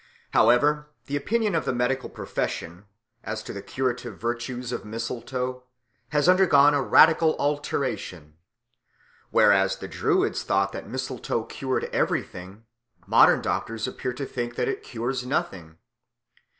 However, the opinion of the medical profession as to the curative virtues of mistletoe has undergone a radical alteration. Whereas the Druids thought that mistletoe cured everything, modern doctors appear to think that it cures nothing.